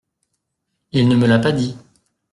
Il ne me l’a pas dit.